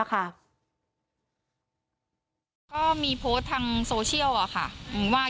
ก็มีโพสต์ทางโซเชียลว่า